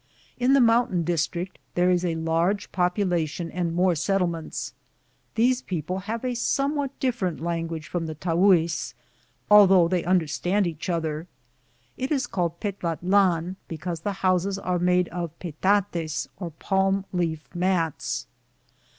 In the mountain dis trict there is a large population and more settlements. These people have a somewhat different language from the Tahues, although they understand each other. It is called Petlatlan because the houses are made of petates or palm leaf mats.